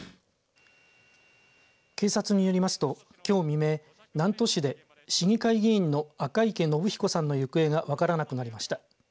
警察によりますときょう未明南砺市で市議会議員の赤池伸彦さんの行方が分らなくなりました。